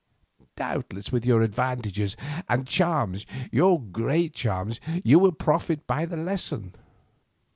Doubtless with your advantages and charms, your great charms, you will profit by the lesson.